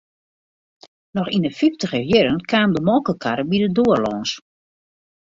Noch yn 'e fyftiger jierren kaam de molkekarre by de doar lâns.